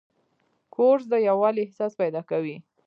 کورس د یووالي احساس پیدا کوي.